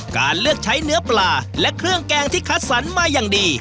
การเลือกใช้เนื้อปลาและเครื่องแกงที่คัดสรรมาอย่างดี